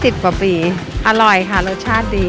สิบกว่าปีอร่อยค่ะรสชาติดี